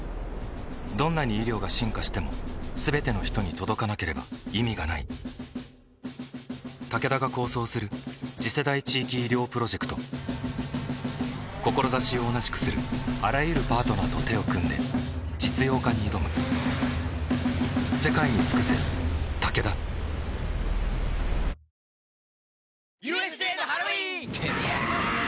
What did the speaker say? どんなに医療が進化しても全ての人に届かなければ意味がないタケダが構想する次世代地域医療プロジェクト志を同じくするあらゆるパートナーと手を組んで実用化に挑む大阪から東京に帰りたい家族。